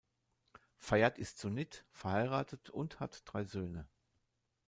Fayyad ist Sunnit, verheiratet und hat drei Söhne.